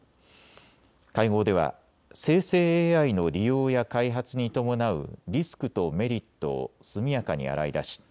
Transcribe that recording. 会合では生成ＡＩの利用や開発に伴うリスクとメリットを速やかに洗い出し